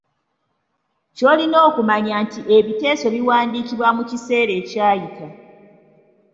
Ky’olina okumanya nti ebiteeso biwandiikibwa mu kiseera ekyayita.